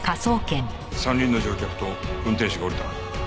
３人の乗客と運転手が降りた。